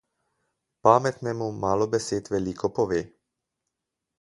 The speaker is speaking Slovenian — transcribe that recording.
Pametnemu malo besed veliko pove.